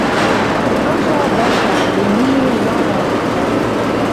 راشه درشه د ميني لاره ده